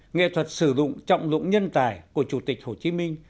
nghệ thuật sử dụng trọng dụng nhân tài của chủ tịch hồ chí minh